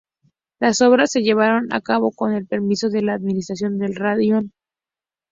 Las obras se llevaron a cabo con el permiso de la administración del raión.